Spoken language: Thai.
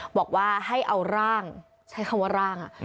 บอกว่าให้เอาร่างใช้คำว่าร่าง